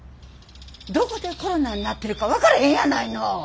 どこでコロナになってるか分からへんやないの。